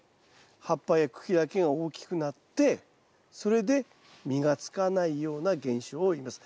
葉っぱや茎だけが大きくなってそれで実がつかないような現象をいいます。